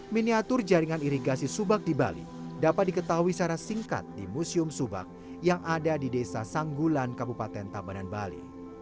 miniatur jaringan irigasi subak di bali dapat diketahui secara singkat di museum subak yang ada di desa sanggulan kabupaten tabanan bali